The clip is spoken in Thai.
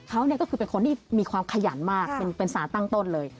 เขาก็คือเป็นคนที่มีความขยันมากเป็นสารตั้งต้นเลย